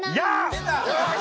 出た！